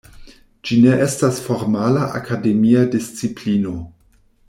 Ĝi ne estas formala akademia disciplino.